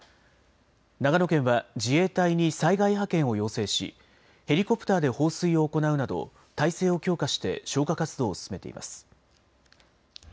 長野県は自衛隊に災害派遣を要請し、ヘリコプターで放水を行うなど、態勢を強化して消火活動を進めています。